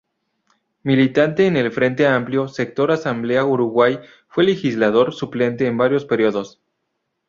Militante en el Frente Amplio, sector Asamblea Uruguay, fue legislador suplente en varios períodos.